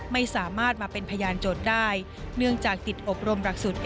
ไม่สามารถมาเป็นพยานโจทย์ได้เนื่องจากติดอบรมหลักสุด